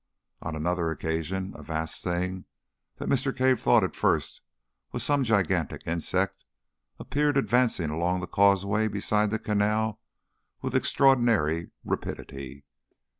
On another occasion a vast thing, that Mr. Cave thought at first was some gigantic insect, appeared advancing along the causeway beside the canal with extraordinary rapidity.